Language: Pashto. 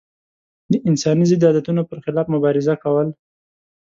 د انساني ضد عادتونو پر خلاف مبارزه کول.